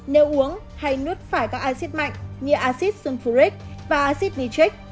nếu uống hay nuốt phải các axit mạnh như axit sulfuric và axit nitric